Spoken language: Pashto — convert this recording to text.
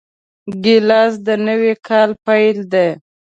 ګیلاس د نوي کاله پیل دی.